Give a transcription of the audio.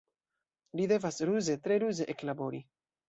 Li devas ruze, tre ruze eklabori.